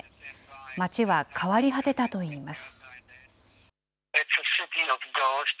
街は変わり果てたといいます。